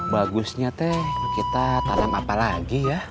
bagusnya teh kita tanam apa lagi ya